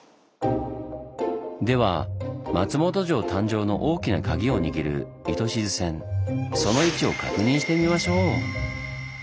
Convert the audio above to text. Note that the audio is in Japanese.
では松本城誕生の大きなカギを握る糸静線その位置を確認してみましょう！